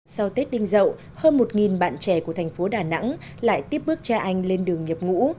sau tết đinh dậu hơn một bạn trẻ của thành phố đà nẵng lại tiếp bước cha anh lên đường nhập ngũ